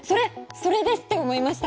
それですって思いました。